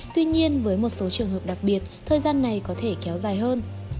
tuy nhiên với một số trường hợp đặc biệt thời gian này có thể kéo dài hơn